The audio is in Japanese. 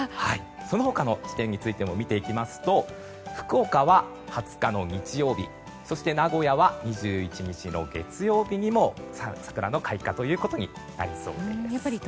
その他の地点についても見ていきますと福岡は２０日の日曜日そして名古屋は２１日の月曜日にも桜の開花ということになりそうです。